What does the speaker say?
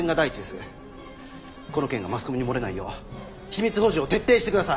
この件がマスコミに漏れないよう秘密保持を徹底してください。